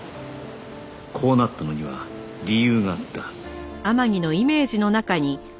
こうなったのには理由があった